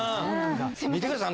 見てください